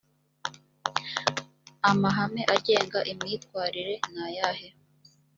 amahame agenga imyitwarire nayahe